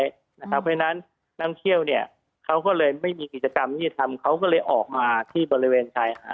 เพราะฉะนั้นนักท่องเที่ยวเขาเลยไม่มีกิจกรรมพิธีทำแล้วก็ออกมาที่บริเวณไทย